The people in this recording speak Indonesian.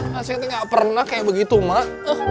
masih kata gak pernah kayak begitu mak